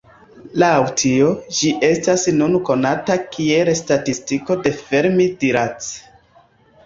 Laŭ tio, ĝi estas nune konata kiel Statistiko de Fermi–Dirac.